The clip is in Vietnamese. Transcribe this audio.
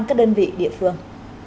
các đơn vị địa phương